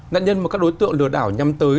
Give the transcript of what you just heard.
nạn nhân mà các đối tượng lừa đảo nhắm tới